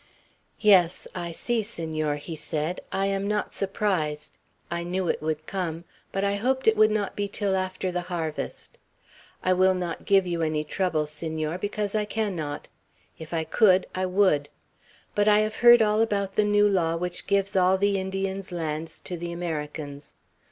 "Yes, I see, Senor," he said. "I am not surprised. I knew it would come; but I hoped it would not be till after harvest. I will not give you any trouble, Senor, because I cannot. If I could, I would. But I have heard all about the new law which gives all the Indians' lands to the Americans.